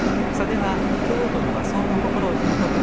では、京都の和装のこころをひもとく